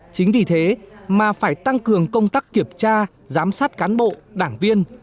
chính vì thế mà phải tăng cường công tác kiểm tra giám sát cán bộ đảng viên